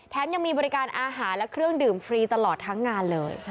ยังมีบริการอาหารและเครื่องดื่มฟรีตลอดทั้งงานเลย